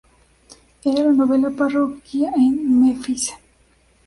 Era la novena parroquia en Memphis.